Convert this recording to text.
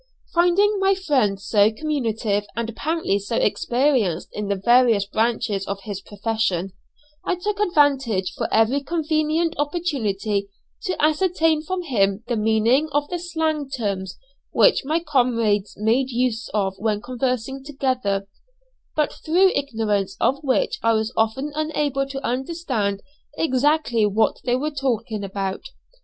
Finding my friend so communicative and apparently so experienced in the various branches of his profession, I took advantage of every convenient opportunity to ascertain from him the meaning of the slang terms which my comrades made use of when conversing together, but through ignorance of which I was often unable to understand exactly what they were talking about.